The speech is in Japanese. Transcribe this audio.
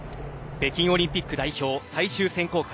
北京オリンピック代表最終選考会。